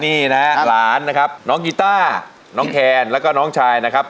นี่นะฮะหลานนะครับน้องกีต้าน้องแคนแล้วก็น้องชายนะครับ